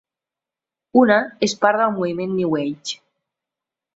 Huna es part del moviment New Age.